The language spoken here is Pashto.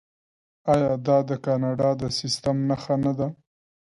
آیا دا د کاناډا د سیستم نښه نه ده؟